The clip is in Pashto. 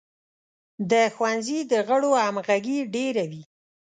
د ښوونځي د غړو همغږي ډیره وي.